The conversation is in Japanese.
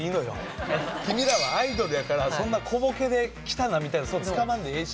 君らはアイドルやからそんな小ボケで「きたな」みたいなつかまんでええし。